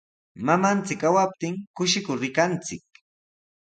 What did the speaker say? Mamanchik kawaptin kushikur rikanchik.